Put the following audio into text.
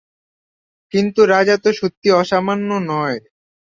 কিন্তু রাজা তো সত্যি অসামান্য নয়।